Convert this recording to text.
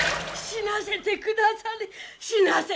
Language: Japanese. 死なせてくだされ！